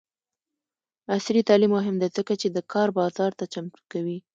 عصري تعلیم مهم دی ځکه چې د کار بازار ته چمتو کوي.